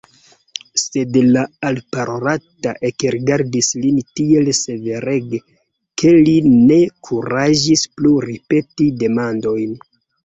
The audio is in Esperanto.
Sed la alparolata ekrigardis lin tiel severege, ke li ne kuraĝis plu ripeti demandojn.